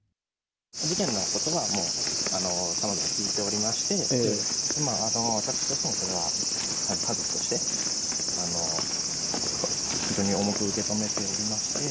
事件のことはもう彼から聞いておりまして、私としてもそれは、家族として、本当に重く受け止めておりまして。